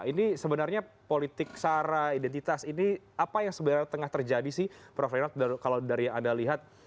ini sebenarnya politik sara identitas ini apa yang sebenarnya tengah terjadi sih prof renat kalau dari yang anda lihat